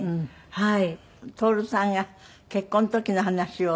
はい。